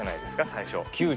最初。